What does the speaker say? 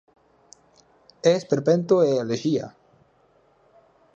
É esperpento e elexía.